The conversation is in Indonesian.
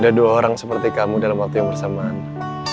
ada dua orang seperti kamu dalam waktu yang bersamaan